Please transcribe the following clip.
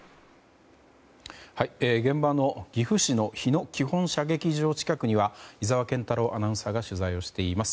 現場の岐阜市の日野基本射撃場近くには井澤健太朗アナウンサーが取材をしています。